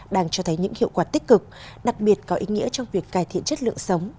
đang cho thấy những hiệu quả tích cực đặc biệt có ý nghĩa trong việc cải thiện chất lượng sống